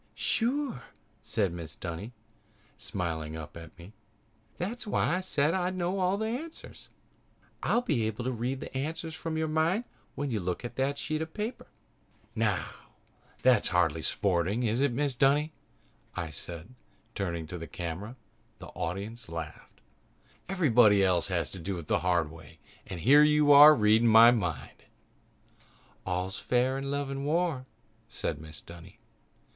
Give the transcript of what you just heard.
"Sure!" said Mrs. Dunny, smiling up at me. "That's why I said that I'd know the answers. I'll be able to read the answers from your mind when you look at that sheet of paper." "Now, that's hardly sporting, is it, Mrs. Dunny?" I said, turning to the camera. The audience laughed. "Everybody else has to do it the hard way and here you are reading it from my mind." "All's fair in love and war," said Mrs. Dunny.